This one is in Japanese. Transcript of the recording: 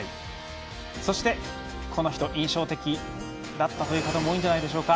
そして、この人印象的だったという方も多いんじゃないでしょうか。